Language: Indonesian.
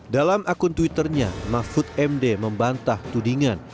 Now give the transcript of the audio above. dalam akun twitternya mahfud md membantah tudingan